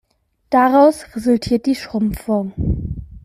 Daraus resultiert die Schrumpfung.